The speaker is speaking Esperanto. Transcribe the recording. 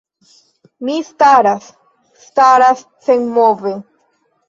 Mi staras, staras senmove.